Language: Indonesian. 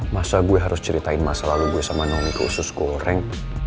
masa gue harus ceritain masa lalu gue sama noni khusus goreng